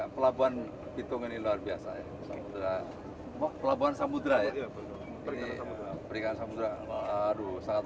pelabuhan hitung ini luar biasa pelabuhan samudera ya perikan samudera baru sangat